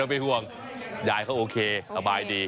เป็นไม่เป็นห่วงยายค่ะโอเคอบายดี